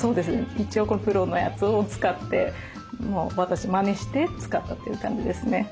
一応プロのやつを使ってまねして使ったという感じですね。